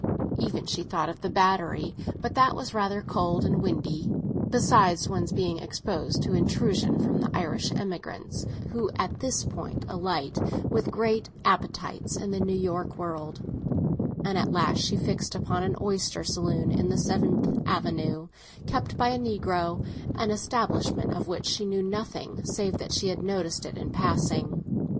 Then she thought of the Battery, but that was rather cold and windy, besides one's being exposed to intrusion from the Irish emigrants who at this point alight, with large appetites, in the New World and at last she fixed upon an oyster saloon in the Seventh Avenue, kept by a negro—an establishment of which she knew nothing save that she had noticed it in passing.